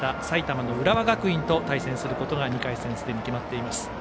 さいたまの浦和学院と対戦することが２回戦、すでに決まっています。